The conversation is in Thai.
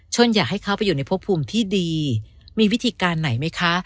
อยากให้เขาไปอยู่ในพบภูมิที่ดีมีวิธีการไหนไหมคะ